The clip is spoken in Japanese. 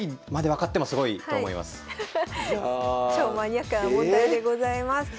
超マニアックな問題でございます。